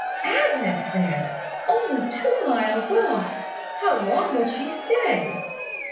"Agnes there! Only two miles off! How long will she stay?"